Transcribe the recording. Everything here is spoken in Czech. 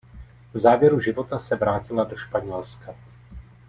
V závěru života se vrátila do Španělska.